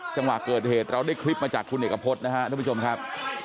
จังหวะเกิดเหตุเราได้คลิปมาจากคุณเหกะพดนะฮะทุกผู้ชมครับ